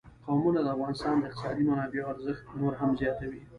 قومونه د افغانستان د اقتصادي منابعو ارزښت نور هم زیاتوي.